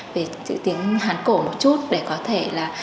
về chữ tiếng hán cổ một chút để có thể là